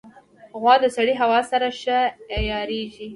غوا د سړې هوا سره ښه عیارېږي.